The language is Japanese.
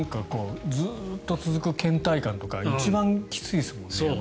ずっと続くけん怠感とか一番つらいですもんね。